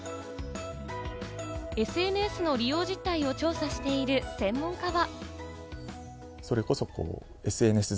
ＳＮＳの利用実態を調査している専門家は。